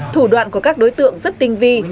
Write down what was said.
thủ đoạn của các đối tượng rất tinh vi